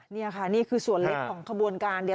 นี่ค่ะนี่คือส่วนเล็กของขบวนการเดียว